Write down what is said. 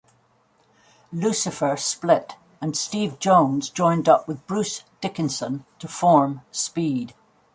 Lucifer split and Steve Jones joined up with Bruce Dickinson to form Speed.